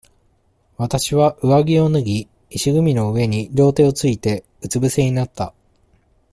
私は、上着を脱ぎ、石組みの上に両手をついて、うつ伏せになった。